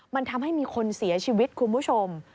มันทำให้มีคนเสียชีวิตคุณผู้ชม